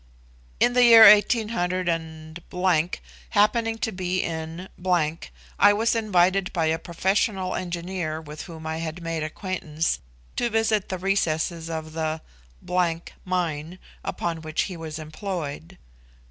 In the year 18__, happening to be in _____, I was invited by a professional engineer, with whom I had made acquaintance, to visit the recesses of the ________ mine, upon which he was employed.